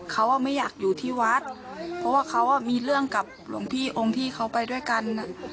เขาไม่อยากอยู่ที่วัดเพราะว่าเขามีเรื่องกับหลวงพี่องค์ที่เขาไปด้วยกัน